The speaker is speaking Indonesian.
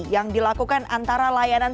yang dilakukan antara layanan